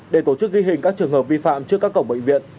để tổ chức ghi hình các trường hợp vi phạm trước các cổng bệnh viện